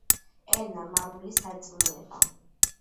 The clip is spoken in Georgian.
“ენა, მამული, სარწმუნოება”